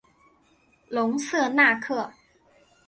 隆瑟纳克。